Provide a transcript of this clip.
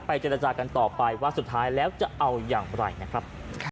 เจรจากันต่อไปว่าสุดท้ายแล้วจะเอาอย่างไรนะครับ